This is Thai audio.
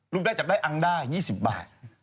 รูปแรกจับได้อังด้า๒๐บาท